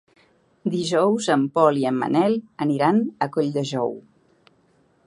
Dijous en Pol i en Manel aniran a Colldejou.